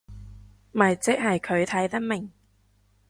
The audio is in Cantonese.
咪即係佢睇得明